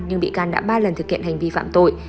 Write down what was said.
nhưng bị can đã ba lần thực hiện hành vi phạm tội